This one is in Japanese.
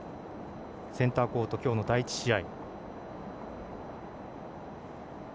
センターコート、今日の第１試合。